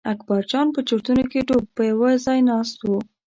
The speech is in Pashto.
اکبرجان په چورتونو کې ډوب په یوه ځای ناست و.